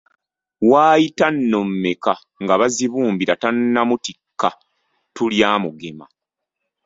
Waayita nno mmeka nga Bazibumbira tannamutikka ttu lya Mugema?